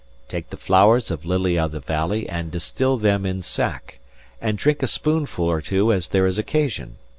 Take the flowers of lilly of the valley and distil them in sack, and drink a spooneful or two as there is occasion.